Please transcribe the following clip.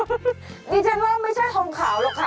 ดิฉันว่าไม่ใช่ทองขาวหรอกค่ะ